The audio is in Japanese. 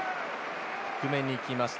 低めに行きました。